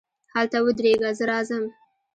هلته ودرېږه، زه راځم.